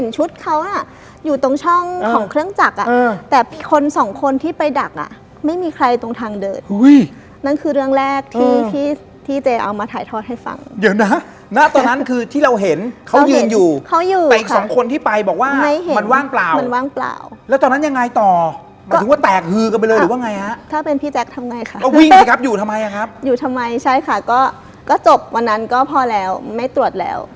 นั่นคือเรื่องแรกที่เจเอามาถ่ายทอดให้ฟังเดี๋ยวนะนะตอนนั้นคือที่เราเห็นเขายืนอยู่เขาอยู่แต่อีกสองคนที่ไปบอกว่าไม่เห็นมันว่างเปล่ามันว่างเปล่าแล้วตอนนั้นยังไงต่อหมายถึงว่าแตกคือกันไปเลยหรือว่าไงฮะถ้าเป็นพี่แจ๊คทำไงค่ะเอาวิ่งสิครับอยู่ทำไมอะครับอยู่ทำไมใช่ค่ะก็ก็จบวันนั้นก็พอแล้วไม่ตรวจแล้